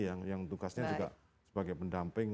yang tugasnya juga sebagai pendamping